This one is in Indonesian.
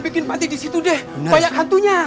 mungkin pantik disitu deh banyak hantunya